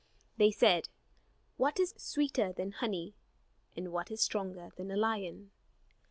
They said: "What is sweeter than honey? And what is stronger than a lion?"